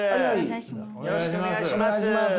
よろしくお願いします。